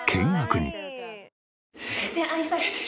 ねえ愛されてる。